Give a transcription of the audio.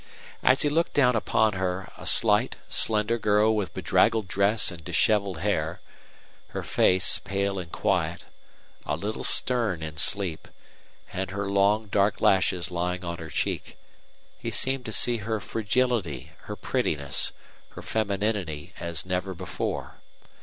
As he looked down upon her, a slight, slender girl with bedraggled dress and disheveled hair, her face, pale and quiet, a little stern in sleep, and her long, dark lashes lying on her cheek, he seemed to see her fragility, her prettiness, her femininity as never before.